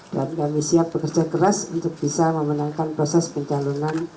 dan kami siap bekerja keras untuk bisa memenangkan proses pencalonan